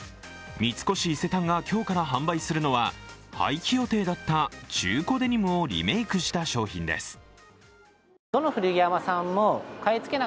三越伊勢丹が今日から発売するのは廃棄予定だった中古デニムをリメイクした商品です。